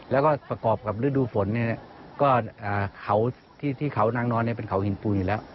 แล้วก็ประกอบกับฤดูฝนเนี่ยก็ขาวที่เที่ยวเขานั่งนอนเนี่ยเป็นขาวหินปูนอยู่แล้ว